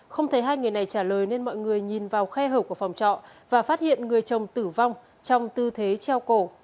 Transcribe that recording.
không thấy hai người này trả lời nên mọi người nhìn vào khe hở của phòng trọ và phát hiện người chồng tử vong trong tư thế treo cổ